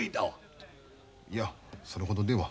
いやそれほどでは。